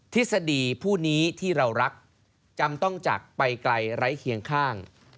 ทฤษฎีผู้นี้ที่เรารักจำต้องจากไปไกลไร้เคียงข้าง